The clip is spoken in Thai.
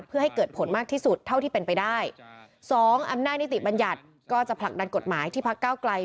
เพื่อให้เกิดผลมากที่สุดเท่าที่เป็นไปได้สองอำนาจนิติบัญญัติก็จะผลักดันกฎหมายที่พักเก้าไกล